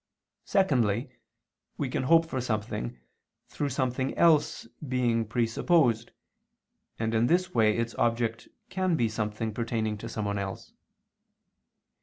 Secondly, we can hope for something, through something else being presupposed, and in this way its object can be something pertaining to someone else.